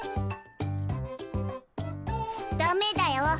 ダメだよ。